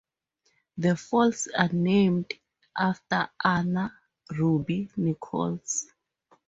The falls are named after Anna Ruby Nichols.